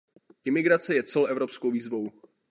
Imigrace je celoevropskou výzvou.